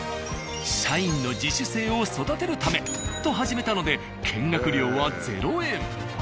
社員の自主性を育てるためと始めたので見学料は０円。